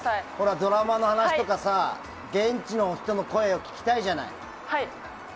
ドラマの話とか現地の人の声を聞きたいじゃない。